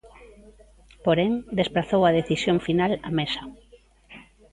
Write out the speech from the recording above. Porén, desprazou a decisión final á Mesa.